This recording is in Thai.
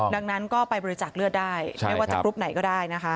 ดังนั้นก็ไปบริจาคเลือดได้ไม่ว่าจะกรุ๊ปไหนก็ได้นะคะ